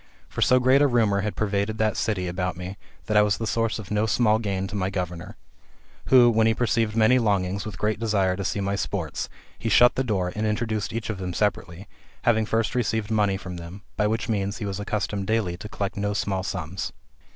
For so great a rumour had pervaded that city about me, that I was the source of no small gain to my governor; who, when he perceived many longing with great desire to see my sports, he shut the tSa THE METAMORPHOSIS, OR door, and introduced each of them separately, having first received money from them, by which means he was accustomed daily to collect no small sums.